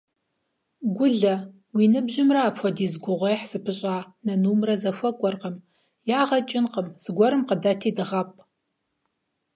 Гулэ, уи ныбжьымрэ апхуэдиз гугъуехь зыпыщӀа нынумрэ зэхуэкӀуэркъым. Ягъэ кӀынкъым, зыгуэрым къыдэти дыгъэпӀ.